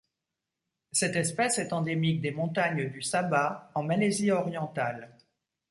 Cette espèce est endémique des montagnes du Sabah en Malaisie orientale.